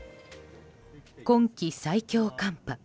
今季最強寒波。